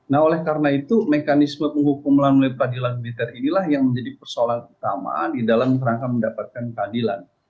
nah oleh karena itu mekanisme penghukuman melalui peradilan militer inilah yang menjadi persoalan utama di dalam rangka mendapatkan keadilan